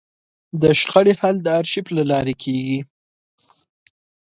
د شخړې حل د ارشیف له لارې کېږي.